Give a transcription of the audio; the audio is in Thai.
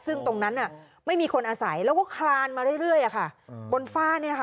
ซึ่งตรงนั้นไม่มีคนอาศัยแล้วก็คลานมาเรื่อยบนฝ้าเนี่ยค่ะ